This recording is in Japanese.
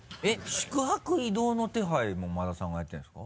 宿泊・移動の手配も馬田さんがやってるんですか？